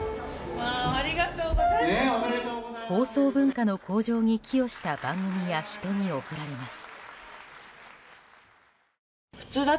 放送文化の向上に寄与した番組や人に贈られます。